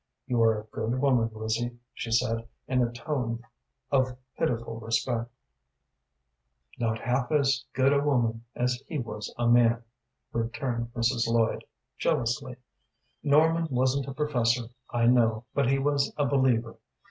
"You are a good woman, Lizzie," she said, in a tone of pitiful respect. "Not half as good a woman as he was a man," returned Mrs. Lloyd, jealously. "Norman wasn't a professor, I know, but he was a believer.